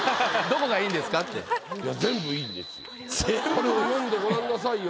これを読んでごらんなさいよ。